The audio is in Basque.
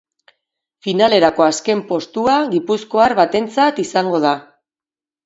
Finalerako azken postua gipuzkoar batentzat izango da.